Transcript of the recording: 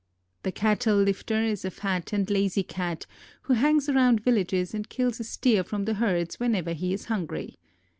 The "cattle lifter" is a fat and lazy cat, who hangs around villages and kills a steer from the herds whenever he is hungry.